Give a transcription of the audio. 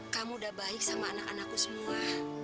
kamu udah baik sama anak anakku semua